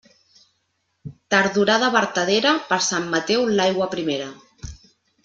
Tardorada vertadera, per Sant Mateu l'aigua primera.